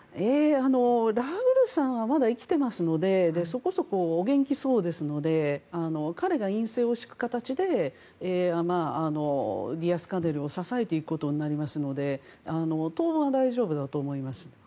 ラウルさんはまだ生きてますのでそこそこお元気そうですので彼が院政を敷く形でディアスカネルを支えていくことになりますので当分は大丈夫だと思います。